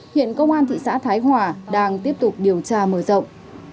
hiện công an thị xã thái hòa đang tiếp tục điều tra mở rộng